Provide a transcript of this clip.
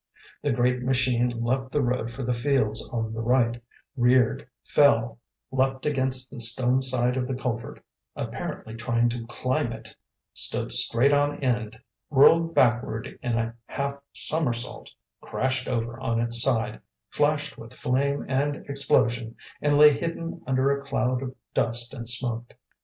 The great machine left the road for the fields on the right, reared, fell, leaped against the stone side of the culvert, apparently trying to climb it, stood straight on end, whirled backward in a half somersault, crashed over on its side, flashed with flame and explosion, and lay hidden under a cloud of dust and smoke.